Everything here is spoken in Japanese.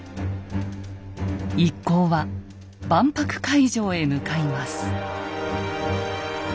一行は万博会場へ向かいます。